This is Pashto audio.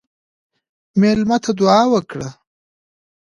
مېلمه ته دعا وکړه.